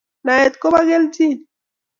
Naet kopa kelchin